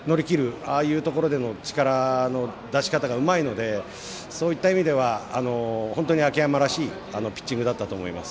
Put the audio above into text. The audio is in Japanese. ああいうところでの力の出し方がうまいのでそういった意味では本当に秋山らしいピッチングだったと思います。